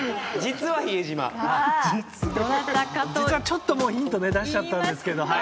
ちょっとヒント出しちゃってたんですけど。